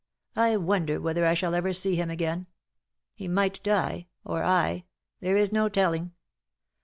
"I wonder whether I shall ever see him again. He might die — or I — there is no telling.